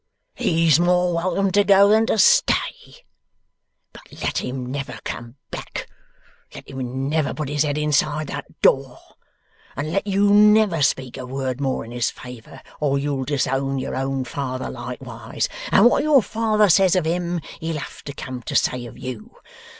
He's more welcome to go than to stay. But let him never come back. Let him never put his head inside that door. And let you never speak a word more in his favour, or you'll disown your own father, likewise, and what your father says of him he'll have to come to say of you.